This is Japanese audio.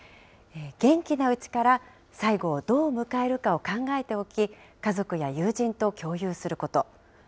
元気なうちから最期をどう迎えるかを考えておき、家族や友人と共有すること。